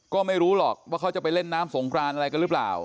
ก็ไม่รู้หรอกว่าเขาจะไปเล่นน้ำสงครานอะไรกันหรือเปล่า